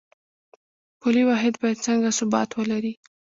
پولي واحد باید څنګه ثبات ولري؟